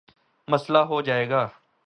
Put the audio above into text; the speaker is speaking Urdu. مسلہ ہو جائے گا